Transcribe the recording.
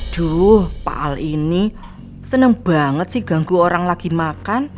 duh pak al ini seneng banget sih ganggu orang lagi makan